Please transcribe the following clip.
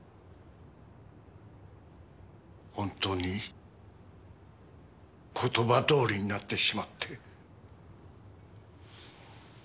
本当に言葉どおりになってしまって。